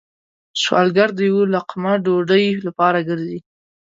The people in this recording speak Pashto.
سوالګر د یو لقمه ډوډۍ لپاره گرځي